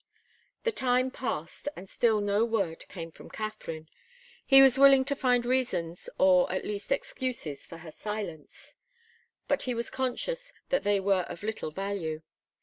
The time passed, and still no word came from Katharine. He was willing to find reasons or, at least, excuses, for her silence, but he was conscious that they were of little value.